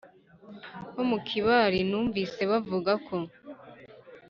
nko mu kibari numvise bavuga ko